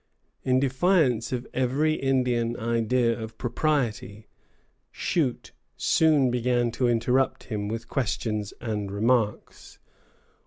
In defiance of every Indian idea of propriety, Shute soon began to interrupt him with questions and remarks.